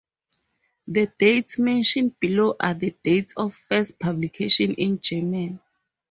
The dates mentioned below are the dates of first publication in German.